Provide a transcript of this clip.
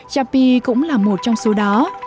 cha pi cũng là một trong số đó